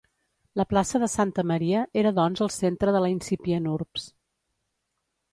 La plaça de Santa Maria, era doncs el centre de la incipient urbs.